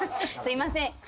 すいません